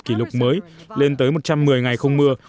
kỷ lục mới lên tới một trăm một mươi ngày không mưa